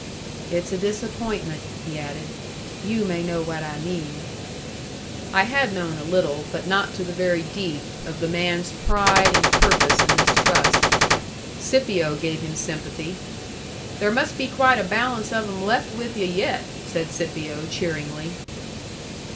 "It's a disappointment," he added. "You may know what I mean." I had known a little, but not to the very deep, of the man's pride and purpose in this trust. Scipio gave him sympathy. "There must be quite a balance of 'em left with yu' yet," said Scipio, cheeringly.